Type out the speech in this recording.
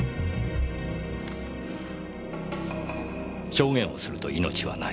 「証言をすると命はない。